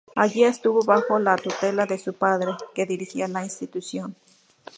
Allí estuvo bajo la tutela de su padre, que dirigía la institución.